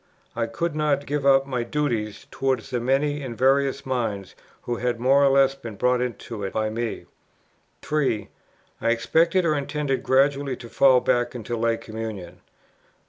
I could not give up my duties towards the many and various minds who had more or less been brought into it by me; 3. I expected or intended gradually to fall back into Lay Communion; 4.